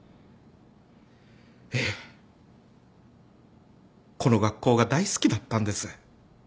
ええこの学校が大好きだったんです。